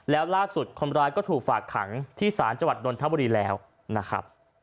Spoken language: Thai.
แล้วล่าสุดคนร้ายก็ถูกฝากขังที่ศาลจังหวัดนทบุรีแล้วนะครับ